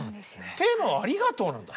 テーマは「ありがとう」なんだ。